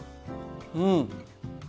うん！